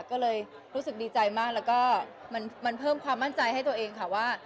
ก็เลยรู้สึกดีใจมากแล้วก็มันเพิ่มความมั่นใจให้ตัวเองค่ะว่า